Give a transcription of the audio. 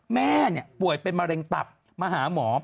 แม่ป่วยเป็นมะเร็งตับมาหาหมอ